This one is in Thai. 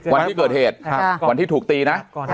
วันที่เกิดเหตุวันที่ถูกตีนะ